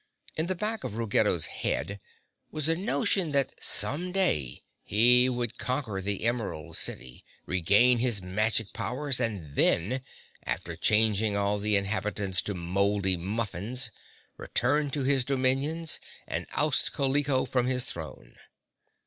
In the back of Ruggedo's head was a notion that some day he would conquer the Emerald City, regain his magic powers and then, after changing all the inhabitants to mouldy muffins, return to his dominions and oust Kaliko from his throne.